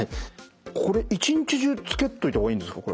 これ一日中着けといた方がいいんですか？